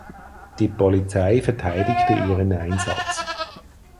Die Polizei verteidigte ihren Einsatz.